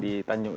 di bandar lampung